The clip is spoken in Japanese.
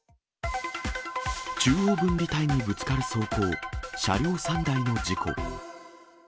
中央分離帯にぶつかる走行、車両３台の事故。